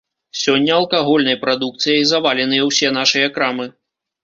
Сёння алкагольнай прадукцыяй заваленыя ўсе нашыя крамы.